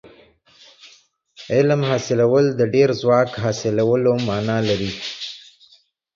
علم حاصلول د ډېر ځواک حاصلولو معنا لري.